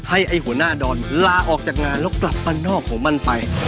ให้ไอ้หัวหน้าดอนลาออกจากงานแล้วกลับบ้านนอกของมันไป